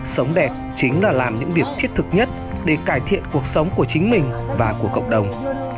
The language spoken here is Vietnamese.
sống đẹp chính là làm những việc thiết thực nhất để cải thiện cuộc sống của chính mình và của cộng đồng